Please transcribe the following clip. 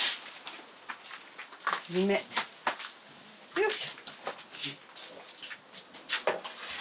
よいしょ。